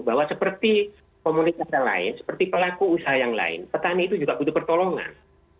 bahwa seperti komunitas yang lain seperti pelaku usaha yang lain petani itu juga butuh pertolongan